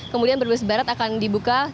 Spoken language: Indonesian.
kemudian brebes barat akan dibuka